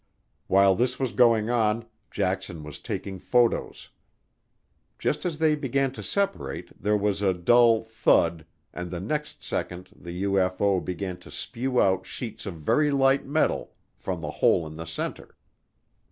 While this was going on, Jackson was taking photos. Just as they began to separate, there was a dull "thud" and the next second the UFO began to spew out sheets of very light metal from the hole in the center.